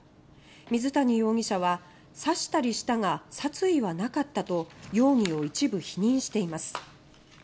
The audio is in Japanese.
水谷容疑者は「刺したりしたが殺意はなかった」と容疑を一部否認しています。